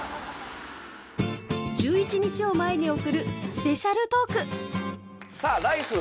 １１日を前に送るスペシャルトークさあ「ＬＩＦＥ！」